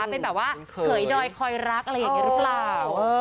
เป็นแบบว่าเผยดอยคอยรักอะไรอย่างนี้หรือเปล่า